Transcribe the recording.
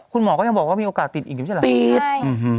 คุณหมอก็ยังบอกว่ามีโอกาสติดอีกอย่างนี้ไม่ใช่ไหม